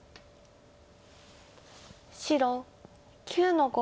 白９の五。